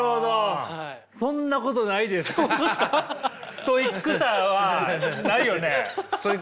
ストイックさはないよね？